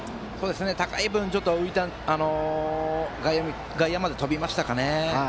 高い分外野まで飛びましたかね。